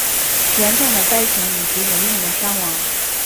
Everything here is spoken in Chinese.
严重的灾情以及人命的伤亡